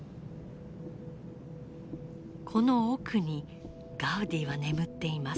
この奥にガウディは眠っています。